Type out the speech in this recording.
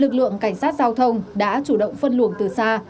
lực lượng cảnh sát giao thông đã chủ động phân luồng từ xa